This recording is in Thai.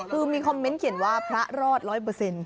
คือมีคอมเมนต์เขียนว่าพระรอดร้อยเปอร์เซ็นต์